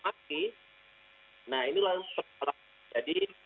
nah ini langsung jadi kata kata ada